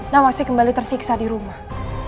namang masih kembali tersiksa di rumah